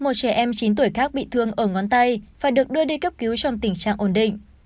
một trẻ em chín tuổi khác bị thương ở ngón tay phải được đưa đi cấp cứu trong tình trạng ổn định